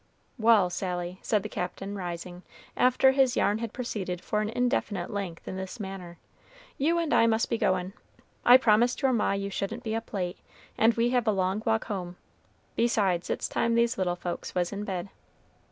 "Wal', Sally," said the Captain, rising, after his yarn had proceeded for an indefinite length in this manner, "you and I must be goin'. I promised your ma you shouldn't be up late, and we have a long walk home, besides it's time these little folks was in bed."